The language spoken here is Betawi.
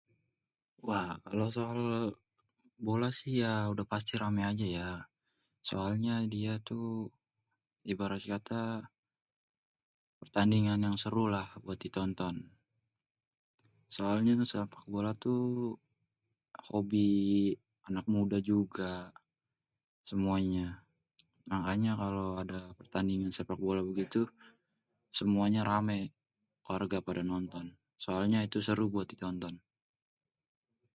wah kalo soal bola sih ya udèh pasti rame ajè ya, soalnyè diè tuh ibarat katè ,pertandingan yang seru lah buat di tonton soalnyè sepak bola tuh, hobi anak muda juga, semuènyè, makanyè kalo ada pertandingan sepak bola begituh ,semuanyè rame warga padè nonton soalnya itu seru buat di tonton.